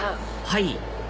はい？